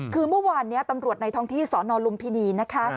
คือเมื่อวานนี้ตำรวจในท้องที่สนลุมพินีนะคะ